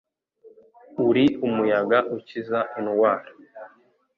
Uri umuyaga ukiza indwara